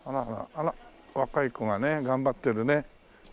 あら若い子がね頑張ってるね。